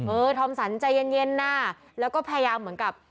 เออธรรมสรรค์ใจเย็นนะและก็พยายามเหมือนกับ